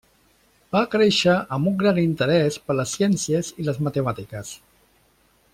Va créixer amb un gran interès per les ciències i les matemàtiques.